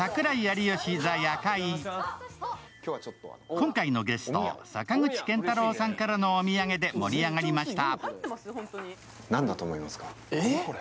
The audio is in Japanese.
今回のゲスト、坂口健太郎さんからのお土産で盛り上がりました。